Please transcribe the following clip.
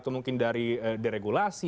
mungkin dari deregulasi